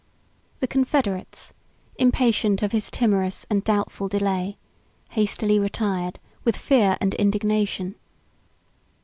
The confederates, impatient of his timorous and doubtful delay, hastily retired, with fear and indignation.